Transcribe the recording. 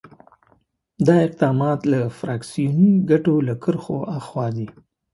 دا اقدامات له فراکسیوني ګټو له کرښو آخوا دي.